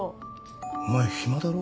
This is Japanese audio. お前暇だろ。